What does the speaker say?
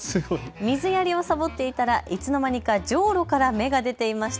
水やりをさぼっていたらいつの間にかジョウロから芽が出ていました。